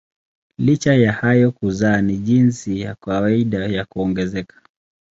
Licha ya hayo kuzaa ni jinsi ya kawaida ya kuongezeka.